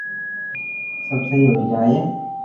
سب سھي ھوئي جائين